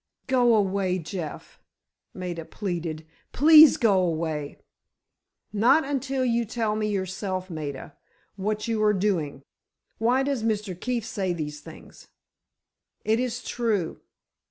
"Go away, Jeff," Maida pleaded; "please, go away." "Not until you tell me yourself, Maida, what you are doing. Why does Mr. Keefe say these things?" "It is true."